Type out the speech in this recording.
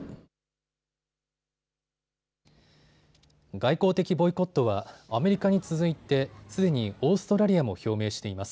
外交的ボイコットはアメリカに続いてすでにオーストラリアも表明しています。